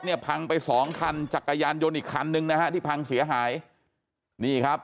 พังไปสองคันจักรยานยนต์อีกคันนึงนะฮะที่พังเสียหายนี่ครับ